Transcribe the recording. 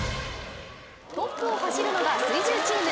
トップを走るのが水１０チーム。